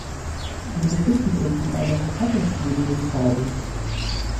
Wir befinden uns in einer verfassunggebenden Phase.